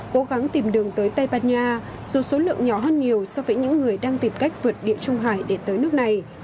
cố gắng tìm đường tới tây ban nha dù số lượng nhỏ hơn nhiều so với những người đang tìm cách vượt địa trung hải để tới nước này